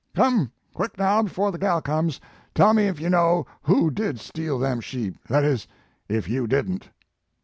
Come, quick, now, befo the gal comes, tell me ef you know who did steal them sheep, that is, if you didn t."